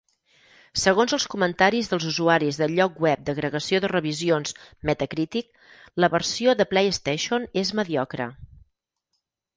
Segons els comentaris dels usuaris del lloc web d'agregació de revisions Metacritic, la versió de PlayStation és "mediocre".